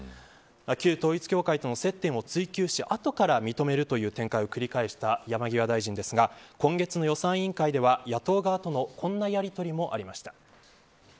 旧統一教会との接点を追求され後から認めるという展開を繰り返した山際大臣ですが今月の予算委員会では野党側とのこんなやりとりもありました。